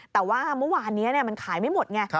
แต่ว่าเมื่อวานนี้มันขายไม่หมดไง